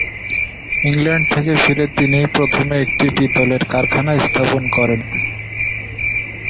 England থেকে ফিরে তিনি প্রথমে একটি পিতলের কারখানা স্থাপন করেন।